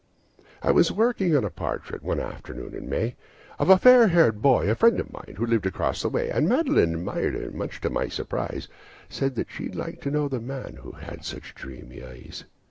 "I was working on a portrait, one afternoon in May, Of a fair haired boy, a friend of mine, who lived across the way. And Madeline admired it, and much to my surprise, Said she'd like to know the man that had such dreamy eyes.